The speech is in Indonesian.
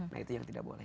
nah itu yang tidak boleh